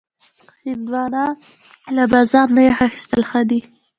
هندوانه له بازار نه یخ اخیستل ښه دي.